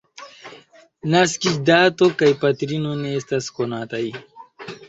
Naskiĝdato kaj patrino ne estas konataj.